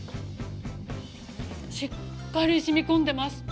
しっかり染み込んでます。